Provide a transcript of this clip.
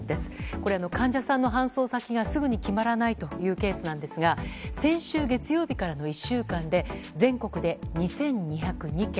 これは患者さんの搬送先がすぐに決まらないというケースなんですが先週月曜日からの１週間で全国で２２００件。